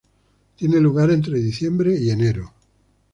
Tiene lugar entre diciembre y enero.